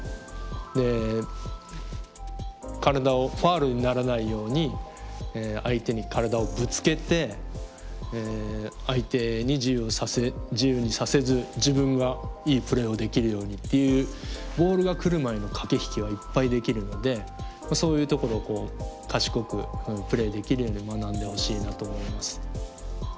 で体をファウルにならないように相手に体をぶつけて相手に自由にさせず自分がいいプレーをできるようにっていうボールが来る前の駆け引きはいっぱいできるのでそういうところを賢くプレーできるように学んでほしいなと思います。